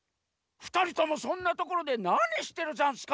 ふたりともそんなところでなにしてるざんすか？